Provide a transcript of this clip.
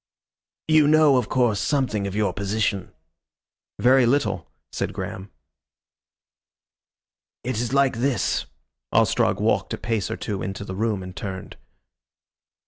You know, of course something of your position?" "Very little," said Graham. "It is like this." Ostrog walked a pace or two into the room and turned.